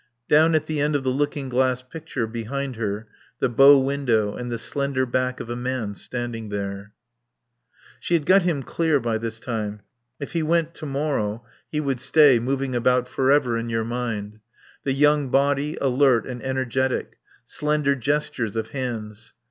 Down at the end of the looking glass picture, behind her, the bow window and the slender back of a man standing there. She had got him clear by this time. If he went to morrow he would stay, moving about forever in your mind. The young body, alert and energetic; slender gestures of hands.